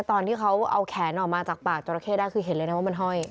ตอนที่เขาเอาแขนออกมาจากปากจราเข้ได้คือเห็นเลยนะว่ามันห้อย